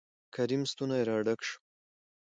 کريم ستونى را ډک شو.